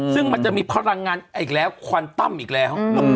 ซึ่งมันจะมีพลังงานอีกแล้วควันตั้มอีกแล้ว